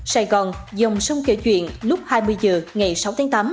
sài gòn dòng sông kể chuyện lúc hai mươi h ngày sáu tháng tám